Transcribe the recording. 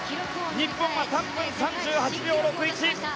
日本は３分３８秒６１。